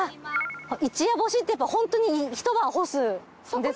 一夜干しってやっぱりホントにひと晩干すんですか？